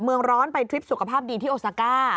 เนื่องจากว่าอยู่ระหว่างการรวมพญาหลักฐานนั่นเองครับ